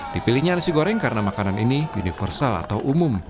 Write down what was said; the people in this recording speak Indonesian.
dipilihnya nasi goreng karena makanan ini universal atau umum